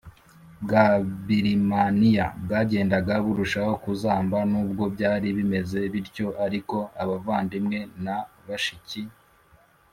bwa Birimaniya bwagendaga burushaho kuzamba Nubwo byari bimeze bityo ariko abavandimwe na bashiki